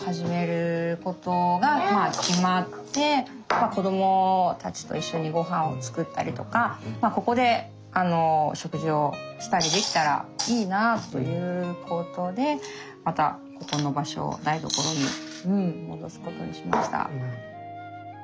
まあ子供たちと一緒にごはんを作ったりとかここで食事をしたりできたらいいなあということでまたここの場所を台所に戻すことにしました。